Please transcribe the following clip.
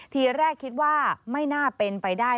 ทีแรกคิดว่าไม่น่าเป็นไปได้